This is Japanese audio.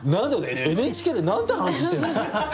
ＮＨＫでなんて話してんすか。